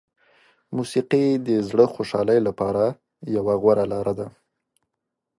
موسیقي د زړه خوشحالي لپاره یوه غوره لاره ده.